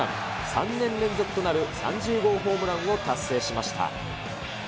３年連続となる３０号ホームランを達成しました。